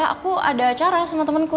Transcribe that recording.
aku ada acara sama temenku